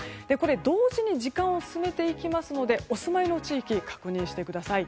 同時に時間を進めていきますのでお住まいの地域を確認してください。